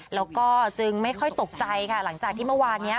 แล้วก็จึงไม่ค่อยตกใจค่ะหลังจากที่เมื่อวานนี้